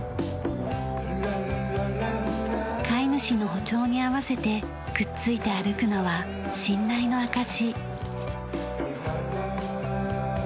飼い主の歩調に合わせてくっついて歩くのは信頼の証し。